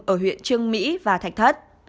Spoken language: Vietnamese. ở huyện trương mỹ và thạch thất